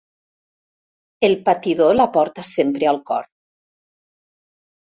El patidor la porta sempre al cor.